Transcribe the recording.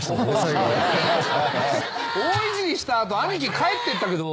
大いじりした後兄貴帰ってったけど。